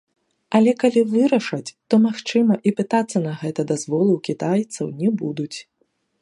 Але калі вырашаць, то, магчыма, і пытацца на гэта дазволу ў кітайцаў не будуць.